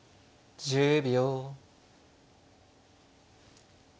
１０秒。